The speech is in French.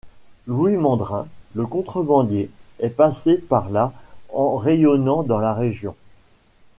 Louis Mandrin, le contrebandier, est passé par là en rayonnant dans la région.